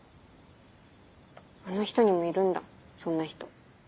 あの人にもいるんだそんな人。